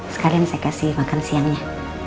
sekarang saya kasih makan siangnya